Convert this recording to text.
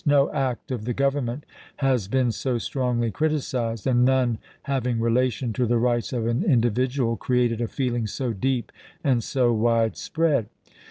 No act of the Government has been so strongly criticized, and none having relation to the rights of an in dividual created a feeling so deep and so wide spread.